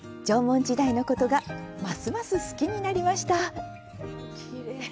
縄文時代のことがますます好きになりました。